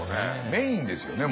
メインですよね